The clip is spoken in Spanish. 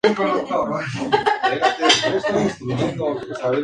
Luces y sombras.